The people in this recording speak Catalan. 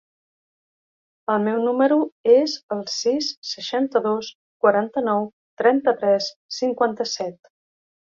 El meu número es el sis, seixanta-dos, quaranta-nou, trenta-tres, cinquanta-set.